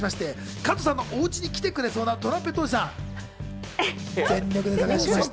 加藤さんのお家に来てくれそうなトランペットおじさんを全力で探しました。